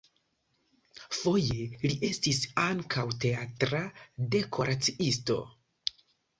Foje li estis ankaŭ teatra dekoraciisto.